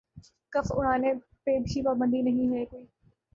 کف اُڑانے پہ بھی پابندی نہیں ہے کوئی